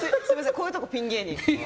こういうところピン芸人。